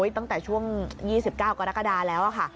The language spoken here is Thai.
ตั้งแต่ช่วง๒๙กรกฎาแล้วค่ะ